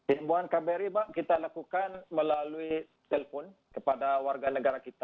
imbuan kbri kita lakukan melalui telepon kepada warga negara kita